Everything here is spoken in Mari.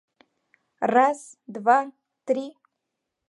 — Раз, два, три!